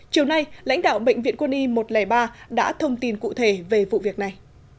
chiều nay lãnh đạo bệnh viện quân y một trăm linh ba đã thông tin cụ thể về vụ việc này